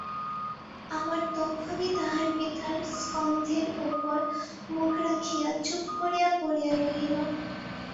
আবার তখনই তাহার পিতার স্কন্ধের উপর মুখ রাখিয়া চুপ করিয়া পড়িয়া রহিল।